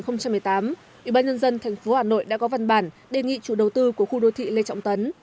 năm hai nghìn một mươi tám ủy ban nhân dân tp hà nội đã có văn bản đề nghị chủ đầu tư của khu đô thị lê trọng tấn